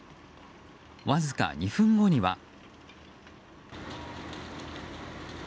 わずか２分後には。